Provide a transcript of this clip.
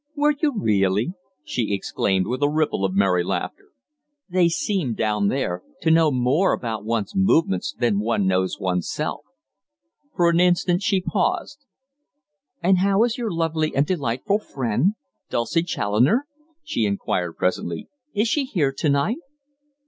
"Were you really?" she exclaimed with a ripple of merry laughter. "They seem, down there, to know more about one's movements than one knows oneself." For an instant she paused. "And how is your lovely and delightful friend Dulcie Challoner?" she inquired presently. "Is she here to night?"